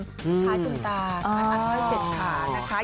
คล้ายตุ้มตาคล้ายอันให้เสร็จค่ะ